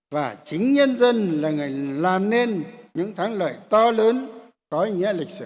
và chính nhân dân là người làm nên những thắng lợi to lớn